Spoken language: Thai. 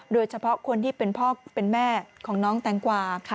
โดยเฉพาะคนที่เป็นพ่อเป็นแม่ของน้องแตงกวา